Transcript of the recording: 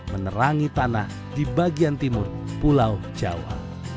menerangi tanah di bagian timur pulau jawa